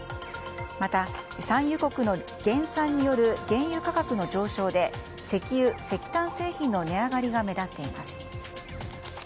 また、産油国の減産による原油価格の上昇で石油・石炭製品の値上がりが目立っています。